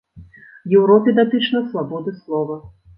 Еўропе датычна свабоды слова.